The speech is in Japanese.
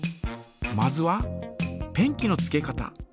まずはペンキのつけ方。